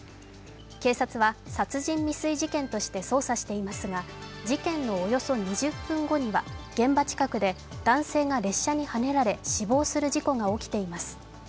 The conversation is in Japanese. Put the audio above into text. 警察は殺人未遂事件として捜査していますが事件のおよそ２０分後には現場近くで男性が列車にはねられ死亡する事故が起きています。